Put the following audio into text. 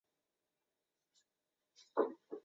腺独行菜